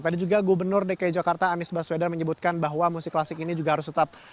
tadi juga gubernur dki jakarta anies baswedan menyebutkan bahwa musik klasik ini juga harus tetap